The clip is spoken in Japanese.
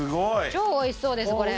超美味しそうですこれ。